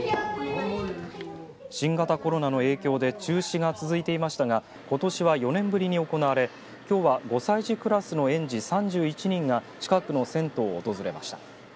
新型コロナの影響で中止が続いていましたがことしは４年ぶりに行われきょうは５歳児クラスの園児３１人が近くの銭湯を訪れました。